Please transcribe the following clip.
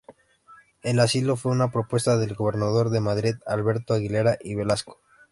El asilo fue una propuesta del gobernador de Madrid Alberto Aguilera y Velasco.